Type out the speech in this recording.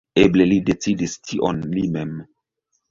Eble li decidis tion li mem.